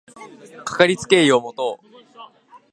かかりつけ医を持とう